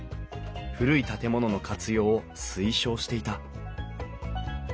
古い建物の活用を推奨していた